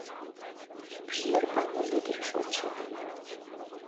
ভিড় পাগলদিদির সহ্য হয় না।